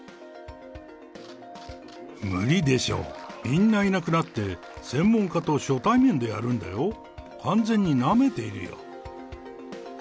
無理でしょ、みんないなくなって、専門家と初対面でやるんだよ、完全になめているよ。